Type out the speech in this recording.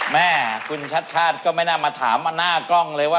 แม่คุณชัดชาติก็ไม่น่ามาถามมาหน้ากล้องเลยว่า